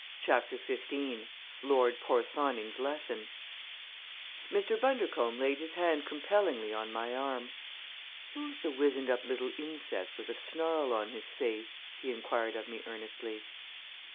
CHAPTER XV LORD PORTHONING'S LESSON Mr. Bundercombe laid his hand compellingly on my arm. "Who's the wizened up little insect, with a snarl on his face?" he inquired of me earnestly.